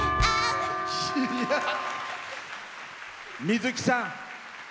水樹さん。